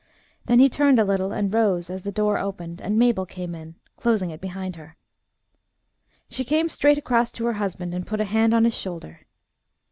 Then he turned a little and rose as the door opened, and Mabel came in, closing it behind her. She came straight across to her husband, and put a hand on his shoulder.